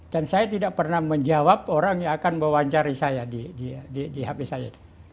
dan saya tidak pernah menjawab orang yang akan mewawancari saya di hp saya itu